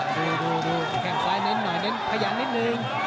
อ๋อดูดูดูแข่งซ้ายเน้นหน่อยเน้นพยายามนิดนึง